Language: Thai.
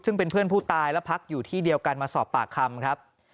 ซึ่งเป็นเพื่อนผู้ตายและพักอยู่ที่เดียวกันมาสอบปากคำครับ